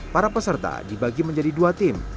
para peserta dibagi menjadi dua tim